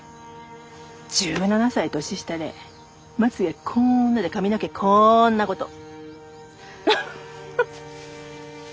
１７歳年下でまつげこんなで髪の毛こんな子と。